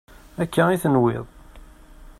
Akka i tenwiḍ.